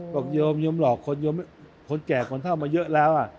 โยมโยมหลอกคนแก่คนเท่ามาเยอะแล้ว